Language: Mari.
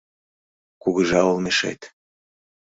Кугыжа олмешет